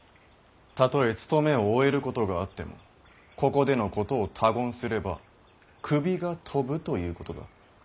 たとえ勤めを終えることがあってもここでのことを他言すれば首が飛ぶということだ。